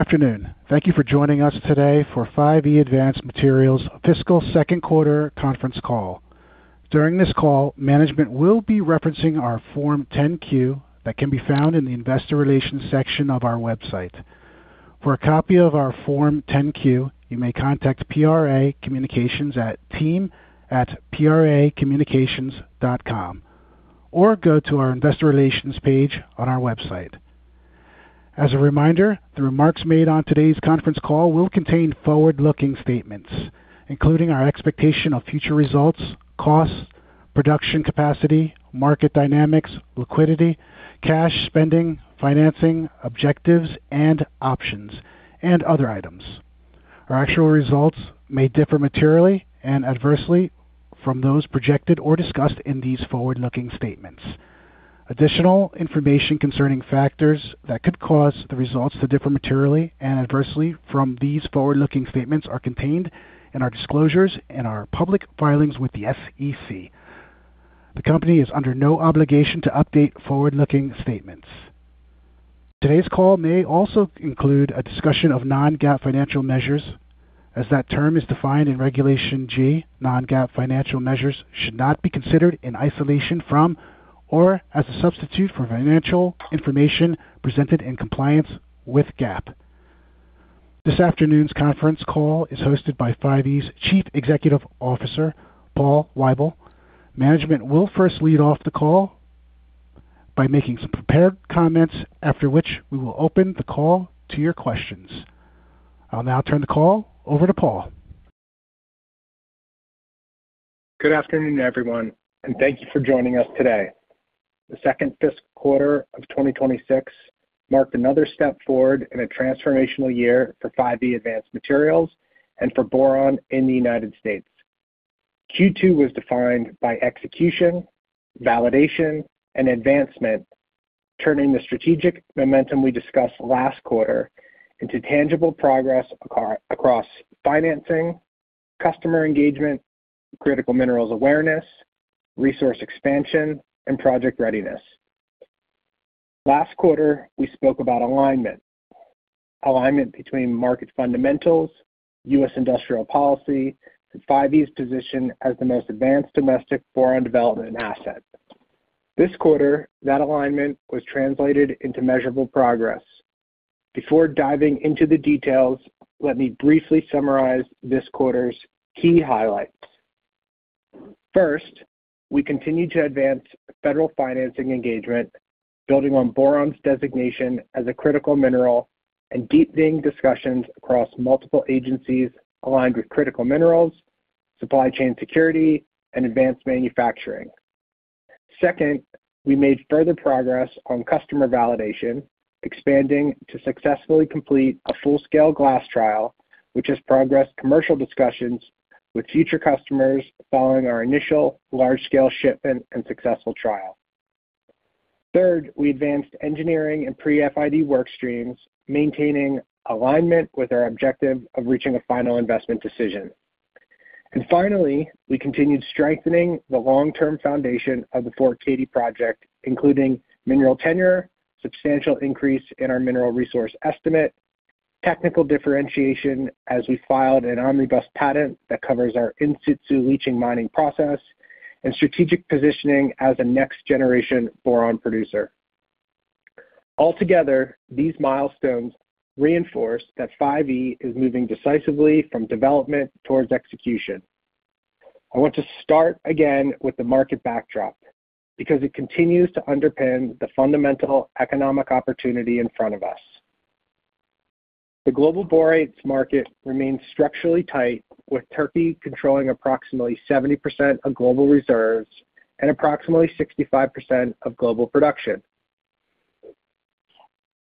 Good afternoon. Thank you for joining us today for 5E Advanced Materials fiscal second quarter conference call. During this call, management will be referencing our Form 10-Q that can be found in the investor relations section of our website. For a copy of our Form 10-Q, you may contact PRA Communications at team@pracommunications.com or go to our investor relations page on our website. As a reminder, the remarks made on today's conference call will contain forward-looking statements, including our expectation of future results, costs, production capacity, market dynamics, liquidity, cash spending, financing, objectives and options, and other items. Our actual results may differ materially and adversely from those projected or discussed in these forward-looking statements. Additional information concerning factors that could cause the results to differ materially and adversely from these forward-looking statements are contained in our disclosures and our public filings with the SEC. The company is under no obligation to update forward-looking statements. Today's call may also include a discussion of non-GAAP financial measures. As that term is defined in Regulation G, non-GAAP financial measures should not be considered in isolation from or as a substitute for financial information presented in compliance with GAAP. This afternoon's conference call is hosted by 5E's Chief Executive Officer, Paul Weibel. Management will first lead off the call by making some prepared comments, after which we will open the call to your questions. I'll now turn the call over to Paul. Good afternoon, everyone, and thank you for joining us today. The second fiscal quarter of 2026 marked another step forward in a transformational year for 5E Advanced Materials and for boron in the United States. Q2 was defined by execution, validation, and advancement, turning the strategic momentum we discussed last quarter into tangible progress across financing, customer engagement, critical minerals awareness, resource expansion, and project readiness. Last quarter, we spoke about alignment. Alignment between market fundamentals, U.S. industrial policy, and 5E's position as the most advanced domestic boron development asset. This quarter, that alignment was translated into measurable progress. Before diving into the details, let me briefly summarize this quarter's key highlights. First, we continue to advance federal financing engagement, building on boron's designation as a critical mineral and deepening discussions across multiple agencies aligned with critical minerals, supply chain security, and advanced manufacturing. Second, we made further progress on customer validation, expanding to successfully complete a full-scale glass trial, which has progressed commercial discussions with future customers following our initial large-scale shipment and successful trial. Third, we advanced engineering and pre-FID work streams, maintaining alignment with our objective of reaching a final investment decision. And finally, we continued strengthening the long-term foundation of the Fort Cady Project, including mineral tenure, substantial increase in our mineral resource estimate, technical differentiation as we filed an omnibus patent that covers our in-situ leaching mining process, and strategic positioning as a next-generation boron producer. Altogether, these milestones reinforce that 5E is moving decisively from development towards execution. I want to start again with the market backdrop because it continues to underpin the fundamental economic opportunity in front of us. The global borates market remains structurally tight, with Turkey controlling approximately 70% of global reserves and approximately 65% of global production.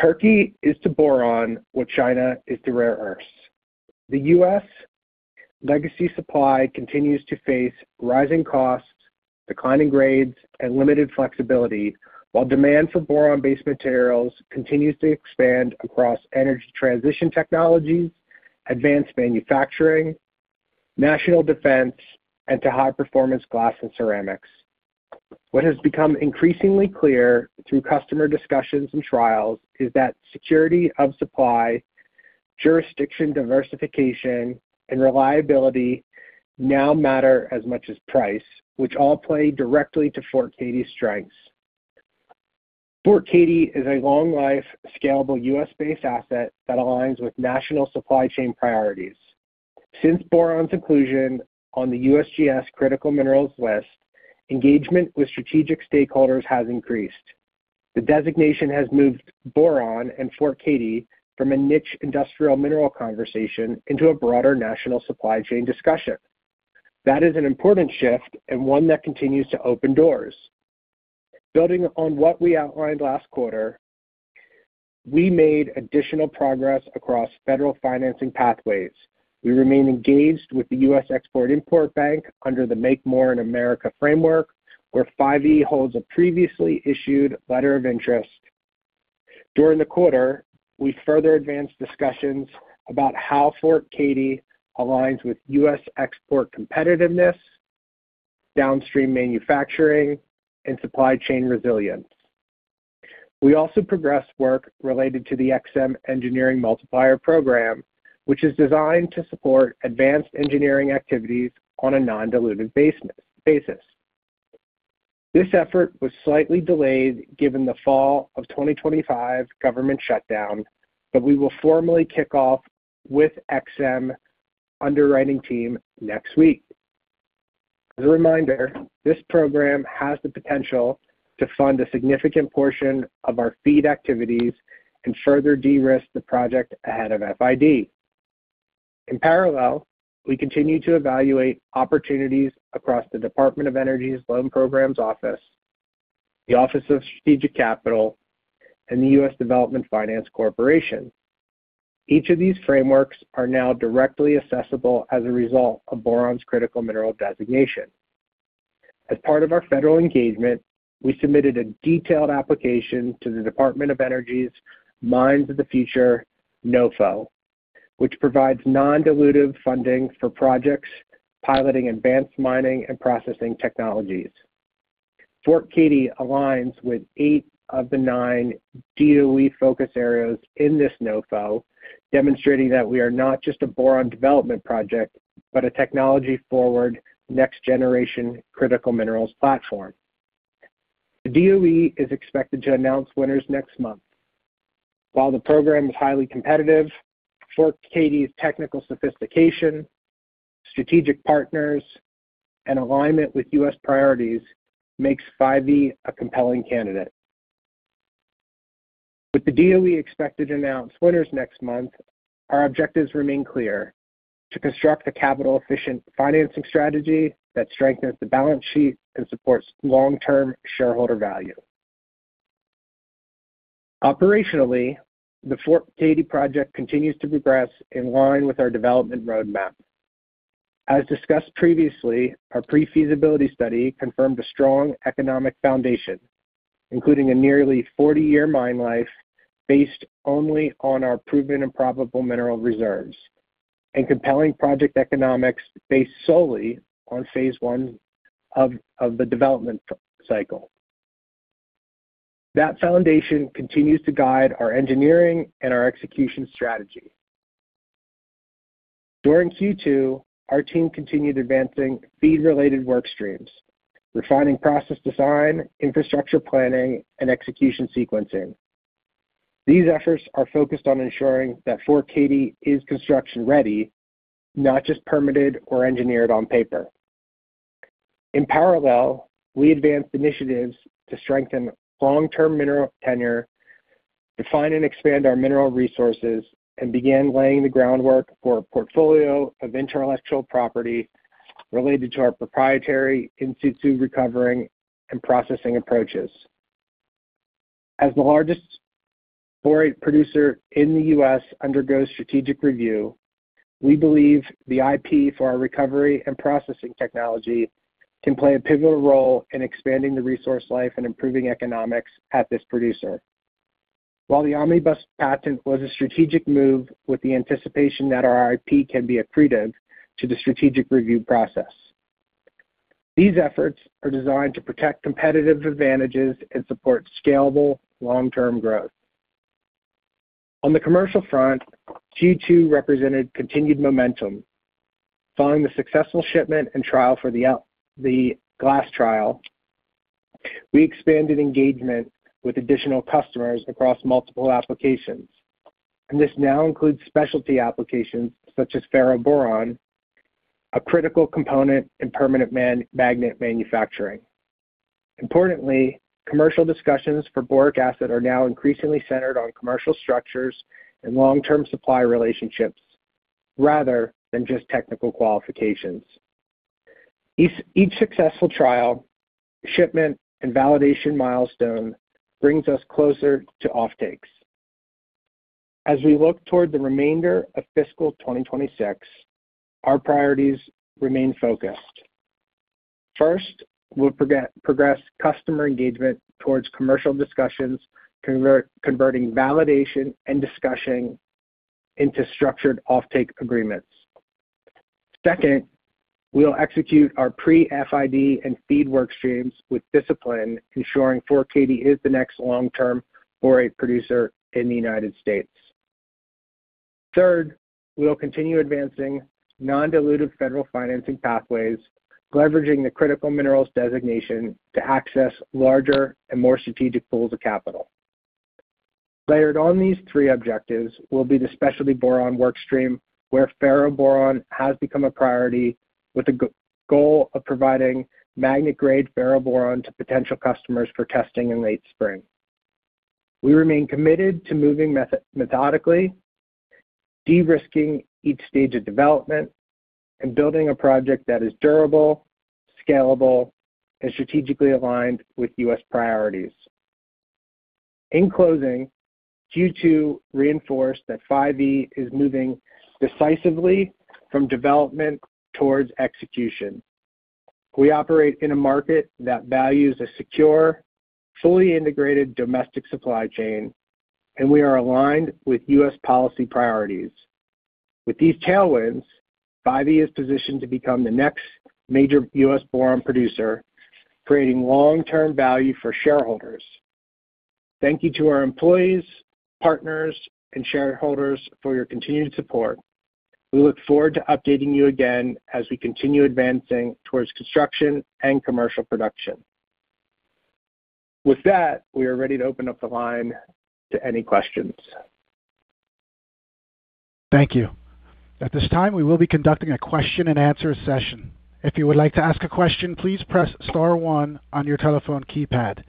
Turkey is to boron what China is to rare earths. The U.S. legacy supply continues to face rising costs, declining grades, and limited flexibility, while demand for boron-based materials continues to expand across energy transition technologies, advanced manufacturing, national defense, and to high-performance glass and ceramics. What has become increasingly clear through customer discussions and trials is that security of supply, jurisdiction diversification, and reliability now matter as much as price, which all play directly to Fort Cady's strengths. Fort Cady is a long-life, scalable, U.S.-based asset that aligns with national supply chain priorities. Since boron's inclusion on the USGS Critical Minerals List, engagement with strategic stakeholders has increased. The designation has moved boron and Fort Cady from a niche industrial mineral conversation into a broader national supply chain discussion. That is an important shift and one that continues to open doors. Building on what we outlined last quarter, we made additional progress across federal financing pathways. We remain engaged with the U.S. Export-Import Bank under the Make More in America framework, where 5E holds a previously issued letter of interest. During the quarter, we further advanced discussions about how Fort Cady aligns with U.S. export competitiveness, downstream manufacturing, and supply chain resilience. We also progressed work related to the EXIM Engineering Multiplier Program, which is designed to support advanced engineering activities on a non-dilutive basis. This effort was slightly delayed given the fall of 2025 government shutdown, but we will formally kick off with EXIM underwriting team next week. As a reminder, this program has the potential to fund a significant portion of our FEED activities and further de-risk the project ahead of FID. In parallel, we continue to evaluate opportunities across the Department of Energy's Loan Programs Office, the Office of Strategic Capital, and the U.S. Development Finance Corporation. Each of these frameworks are now directly accessible as a result of boron's critical mineral designation. As part of our federal engagement, we submitted a detailed application to the Department of Energy's Mines of the Future NOFO, which provides non-dilutive funding for projects piloting advanced mining and processing technologies. Fort Cady aligns with eight of the nine DOE focus areas in this NOFO, demonstrating that we are not just a boron development project, but a technology-forward, next-generation critical minerals platform. The DOE is expected to announce winners next month. While the program is highly competitive, Fort Cady's technical sophistication, strategic partners, and alignment with U.S. priorities makes 5E a compelling candidate. With the DOE expected to announce winners next month, our objectives remain clear: to construct a capital-efficient financing strategy that strengthens the balance sheet and supports long-term shareholder value. Operationally, the Fort Cady project continues to progress in line with our development roadmap. As discussed previously, our pre-feasibility study confirmed a strong economic foundation, including a nearly 40-year mine life based only on our proven and probable mineral reserves, and compelling project economics based solely on phase one of the development cycle. That foundation continues to guide our engineering and our execution strategy. During Q2, our team continued advancing FEED-related work streams, refining process design, infrastructure planning, and execution sequencing. These efforts are focused on ensuring that Fort Cady is construction ready, not just permitted or engineered on paper. In parallel, we advanced initiatives to strengthen long-term mineral tenure, define and expand our mineral resources, and began laying the groundwork for a portfolio of intellectual property related to our proprietary in-situ recovering and processing approaches. As the largest borate producer in the U.S. undergoes strategic review, we believe the IP for our recovery and processing technology can play a pivotal role in expanding the resource life and improving economics at this producer. While the omnibus patent was a strategic move with the anticipation that our IP can be accretive to the strategic review process, these efforts are designed to protect competitive advantages and support scalable, long-term growth. On the commercial front, Q2 represented continued momentum. Following the successful shipment and trial, the glass trial, we expanded engagement with additional customers across multiple applications, and this now includes specialty applications such as ferroboron, a critical component in permanent magnet manufacturing. Importantly, commercial discussions for boric acid are now increasingly centered on commercial structures and long-term supply relationships rather than just technical qualifications. Each successful trial, shipment, and validation milestone brings us closer to offtakes. As we look toward the remainder of fiscal 2026, our priorities remain focused. First, we'll progress customer engagement towards commercial discussions, converting validation and discussion into structured offtake agreements. Second, we'll execute our pre-FID and FEED work streams with discipline, ensuring Fort Cady is the next long-term borate producer in the United States. Third, we will continue advancing non-dilutive federal financing pathways, leveraging the critical minerals designation to access larger and more strategic pools of capital. Layered on these three objectives will be the specialty boron work stream, where ferroboron has become a priority, with the goal of providing magnet-grade ferroboron to potential customers for testing in late spring. We remain committed to moving methodically, de-risking each stage of development, and building a project that is durable, scalable, and strategically aligned with U.S. priorities. In closing, Q2 reinforced that 5E is moving decisively from development towards execution. We operate in a market that values a secure, fully integrated domestic supply chain, and we are aligned with U.S. policy priorities. With these tailwinds, 5E is positioned to become the next major U.S. boron producer, creating long-term value for shareholders. Thank you to our employees, partners, and shareholders for your continued support. We look forward to updating you again as we continue advancing towards construction and commercial production. With that, we are ready to open up the line to any questions. Thank you. At this time, we will be conducting a question and answer session. If you would like to ask a question, please press star one on your telephone keypad.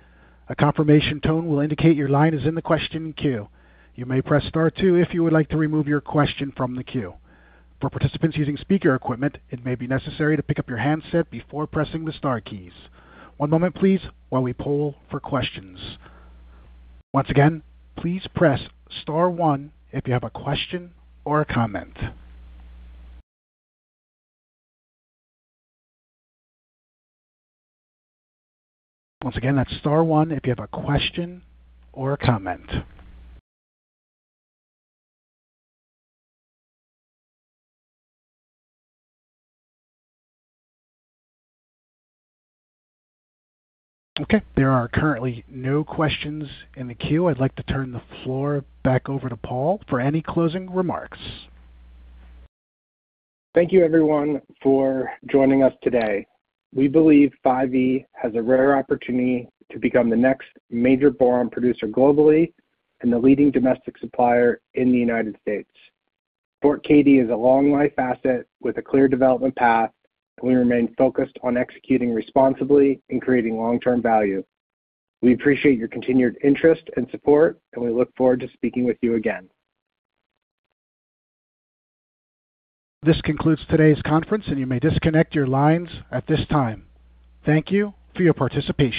A confirmation tone will indicate your line is in the question queue. You may press star two if you would like to remove your question from the queue. For participants using speaker equipment, it may be necessary to pick up your handset before pressing the star keys. One moment please, while we poll for questions. Once again, please press star one if you have a question or a comment. Once again, that's star one if you have a question or a comment. Okay, there are currently no questions in the queue. I'd like to turn the floor back over to Paul for any closing remarks. Thank you everyone for joining us today. We believe 5E has a rare opportunity to become the next major boron producer globally and the leading domestic supplier in the United States. Fort Cady is a long-life asset with a clear development path, and we remain focused on executing responsibly and creating long-term value. We appreciate your continued interest and support, and we look forward to speaking with you again. This concludes today's conference, and you may disconnect your lines at this time. Thank you for your participation.